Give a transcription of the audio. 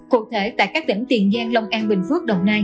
cụ thể tại các tỉnh tiền giang long an bình phước đồng nai